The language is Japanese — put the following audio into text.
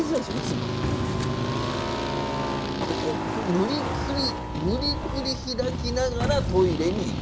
無理くり無理くり開きながらトイレに行く。